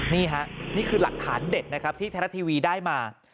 นี่ฮะนี่คือหลักฐานเด็ดนะครับที่ไทยรัฐทีวีได้มา